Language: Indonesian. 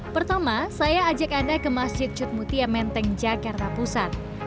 pertama saya ajak anda ke masjid cutmutia menteng jakarta pusat